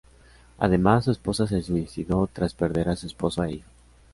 Además, su esposa se suicidó tras perder a su esposo e hijos.